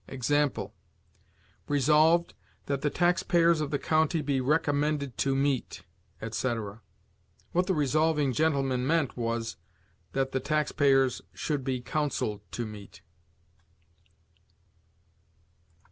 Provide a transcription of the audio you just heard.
Example: "Resolved, that the tax payers of the county be recommended to meet," etc. What the resolving gentlemen meant was, that the tax payers should be counseled to meet.